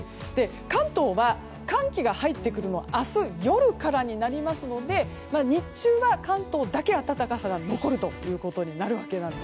関東は寒気が入ってくるのは明日夜からになりますので日中は関東だけ、暖かさが残ることになるわけです。